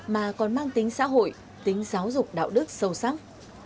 mà còn mang tính xã hội tính giáo dục đạo đức sâu sắc